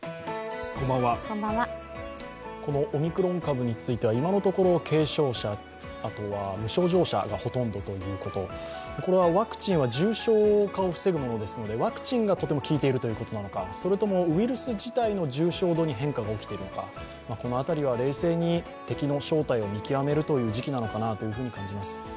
このオミクロン株については今のところ軽症者、あとは無症状者がほとんどということ、これはワクチンは重症化を防ぐものですのでワクチンがとても効いているということなのか、それともウイルス自体の重症度に変化が出ているのかこのあたりは冷静に敵の正体を見極める時期なのかなと感じます。